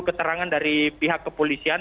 keterangan dari pihak kepolisian